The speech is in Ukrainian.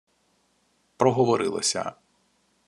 Проговорилися